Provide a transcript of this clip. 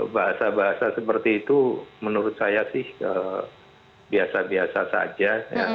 bahasa bahasa seperti itu menurut saya sih biasa biasa saja